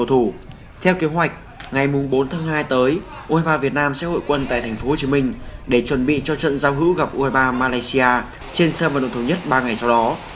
theo kế hoạch ngày bốn tháng hai tới u hai mươi ba việt nam sẽ hội quân tại tp hcm để chuẩn bị cho trận giao hữu gặp u hai mươi ba malaysia trên sân và đội thống nhất ba ngày sau đó